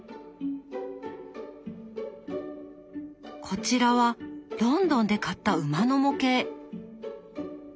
こちらはロンドンで買った馬の模型。